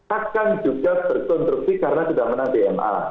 akan juga berkonstruksi karena sudah menang bma